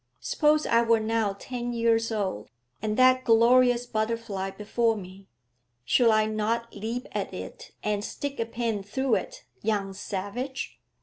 Suppose I were now ten years old, and that glorious butterfly before me; should I not leap at it and stick a pin through it young savage?